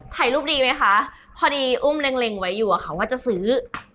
ถ่ายรูปดีไหมคะพอดีอุ้มเล็งไว้อยู่อะค่ะว่าจะซื้อ